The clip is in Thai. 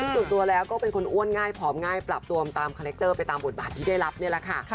ส่วนตัวแล้วก็เป็นคนอ้วนง่ายผอมง่ายปรับตัวตามคาแรคเตอร์ไปตามบทบาทที่ได้รับนี่แหละค่ะ